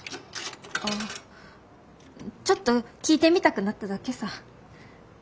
あちょっと聞いてみたくなっただけさ。